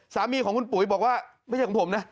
สามีของคุณปุ๋ยบอกว่าไม่ใช่ของผมนะ